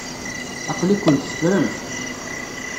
Aql-ikent teffremt.